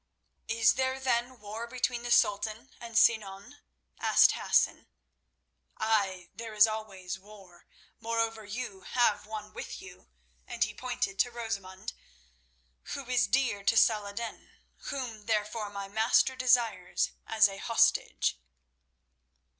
"Is there then war between the Sultan and Sinan?" asked Hassan. "Ay, there is always war. Moreover, you have one with you," and he pointed to Rosamund, "who is dear to Salah ed din, whom, therefore, my master desires as a hostage."